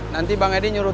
nanti bang edi nyuruh